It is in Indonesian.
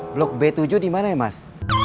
blok b tujuh dimana ya mas